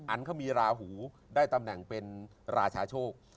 อันเขามีราหูได้ตำแหน่งเป็นราชาโชค